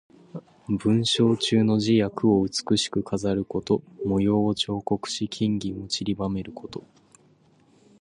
文章中の字や句を美しく飾ること。模様を彫刻し、金銀をちりばめること。